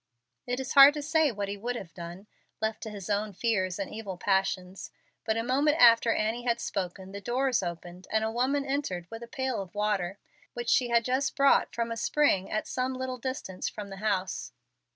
It is hard to say what he would have done, left to his own fears and evil passions; but a moment after Annie had spoken, the doors opened and a woman entered with a pail of water, which she had just brought from a spring at some little distance from the house.